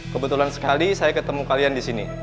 kebetulan sekali saya ketemu kalian disini